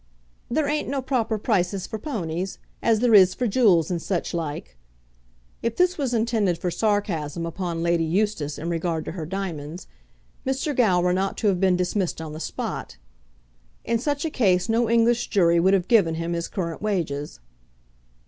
"There ain't no proper prices for pownies, as there is for jew'ls and sich like." If this was intended for sarcasm upon Lady Eustace in regard to her diamonds, Mr. Gowran ought to have been dismissed on the spot. In such a case no English jury would have given him his current wages.